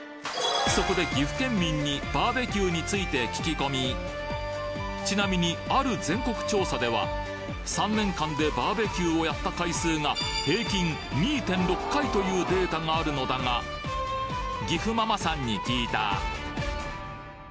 そこで岐阜県民にバーベキューについて聞き込みちなみにある全国調査では３年間でバーベキューをやった回数が平均２．６回というデータがあるのだがせの。